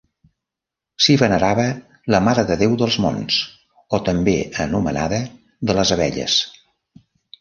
S'hi venerava la Mare de Déu dels Monts o també anomenada de les Abelles.